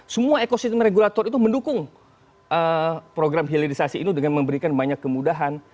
semua ekosistem regulator itu mendukung program hilirisasi ini dengan memberikan banyak kemudahan